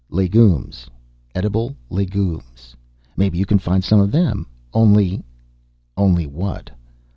"Legumes. Edible legumes." "Maybe you can find some of them. Only " "Only what?"